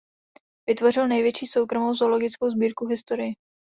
Vytvořil největší soukromou zoologickou sbírku v historii.